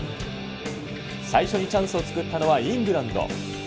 最初にチャンスを作ったのはイングランド。